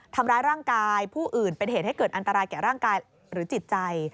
ทำร้ายร่างกายผู้อื่นเป็นเหตุให้เกิดอันตรายแก่ร่างกายหรือจิตใจ